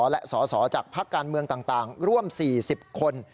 และสอสอจากพักการเมืองต่างร่วม๔๐คน